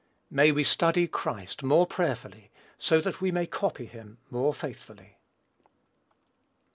May we study Christ more prayerfully, that so we may copy him more faithfully.